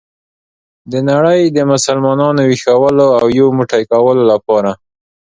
د نړۍ د مسلمانانو ویښولو او یو موټی کولو لپاره.